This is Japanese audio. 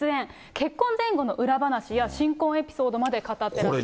結婚前後の裏話や新婚エピソードまで語ってらっしゃいます。